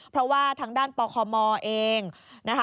เพราะว่าทางด้านเป็นปคม